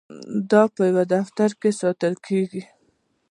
دا په یو دفتر کې ساتل کیږي.